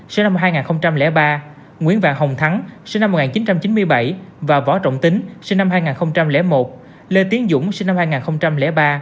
sư năm hai nghìn ba nguyễn vàng hồng thắng sư năm một nghìn chín trăm chín mươi bảy và võ trọng tính sư năm hai nghìn một lê tiến dũng sư năm hai nghìn ba